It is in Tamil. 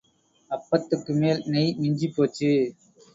அப்பத்துக்கு மேல் நெய் மிஞ்சிப் போச்சு.